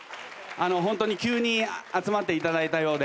急に集まっていただいたようで。